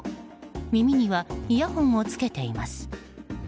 耳にはイヤホンをつけています。